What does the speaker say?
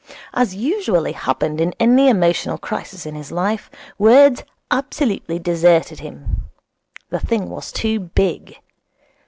As usually happened in any emotional crisis in his life, words absolutely deserted him. The thing was too big.